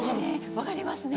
分かりますね。